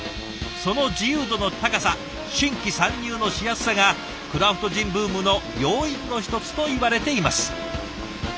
その自由度の高さ新規参入のしやすさがクラフトジンブームの要因の一つといわれています。